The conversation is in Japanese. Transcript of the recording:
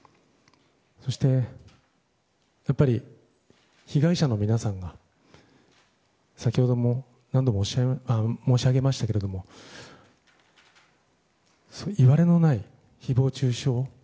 そしてやっぱり被害者の皆さんが先ほども申し上げましたけどいわれのない誹謗中傷